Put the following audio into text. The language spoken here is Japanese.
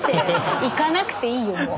行かなくていいよ